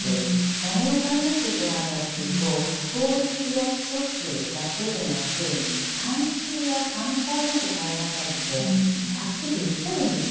何を変えなきゃいけないかというと法律や規則だけでなく慣習や慣行まで変えなさいってはっきり言ってるんですよ。